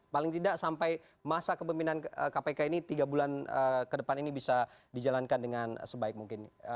paling tidak sampai masa kepemimpinan kpk ini tiga bulan ke depan ini bisa dijalankan dengan sebaik mungkin